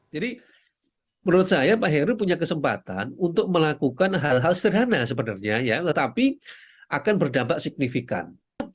jadi menurut saya pak heru punya kesempatan untuk melakukan hal hal sederhana sebenarnya ya tetapi akan berdampak signifikan